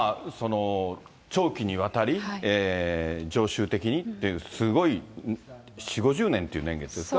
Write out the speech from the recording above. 長期にわたり、常習的にという、すごい４、５０年っていう年月ですか。